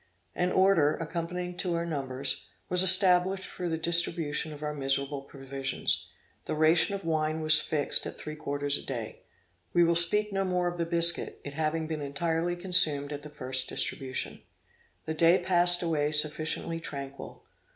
An order, according to our numbers, was established for the distribution of our miserable provisions. The ration of wine was fixed at three quarters a day. We will speak no more of the biscuit, it having been entirely consumed at the first distribution. The day passed away sufficiently tranquil.